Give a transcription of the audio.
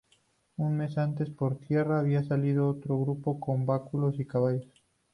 Un mes antes, por tierra, había salido otro grupo con vacunos y caballos.